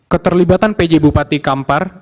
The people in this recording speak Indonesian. keterlibatan pj bupati kampar